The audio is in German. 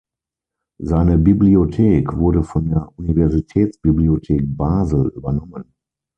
Seine Bibliothek wurde von der Universitätsbibliothek Basel übernommen.